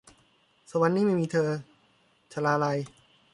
สวรรค์นี้ไม่มีเธอ - ชลาลัย